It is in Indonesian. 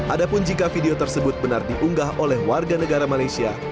adapun jika video tersebut benar diunggah oleh warga negara malaysia